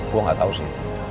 gue gak tau sih